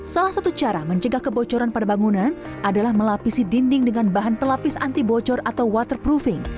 salah satu cara mencegah kebocoran pada bangunan adalah melapisi dinding dengan bahan pelapis antibocor atau waterproofing